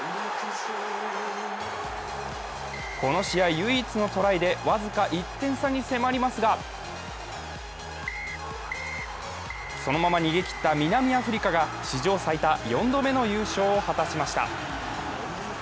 この試合唯一のトライで僅か１点差に迫りますが、そのまま逃げきった南アフリカが史上最多４度目の優勝を果たしました。